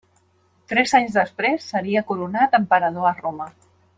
Tres anys després seria coronat emperador a Roma.